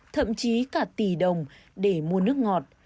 thậm chí cả tỷ đồng để mua nước ngọt